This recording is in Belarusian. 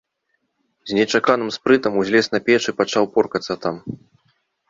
З нечаканым спрытам узлез на печ і пачаў поркацца там.